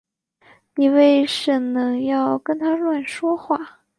妳为什呢要跟他乱说话